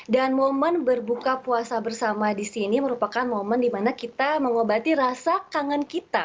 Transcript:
dan momen berbuka puasa bersama di sini merupakan momen dimana kita mengobati rasa kangen kita